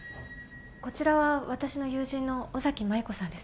こちらは私の友人の尾崎舞子さんです